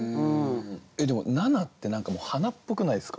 えっでも「ナナ」って何か花っぽくないですか？